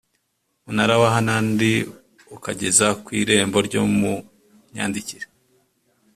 munara wa hanan li ukageza ku irembo ryo mu myandikire